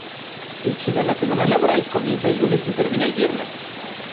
En China la semana laboral comienza el lunes y termina el viernes.